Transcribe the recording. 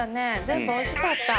全部おいしかった？